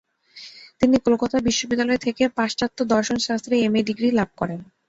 তিনি কলকাতা বিশ্ববিদ্যালয় থেকে পাশ্চাত্য দর্শন শাস্ত্রে এম. এ ডিগ্রি লাভ করেন।